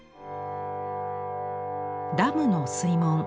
ダムの水門。